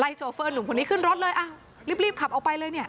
โชเฟอร์หนุ่มคนนี้ขึ้นรถเลยอ่ะรีบรีบขับออกไปเลยเนี่ย